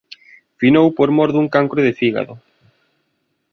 Finou por mor dun cancro de fígado.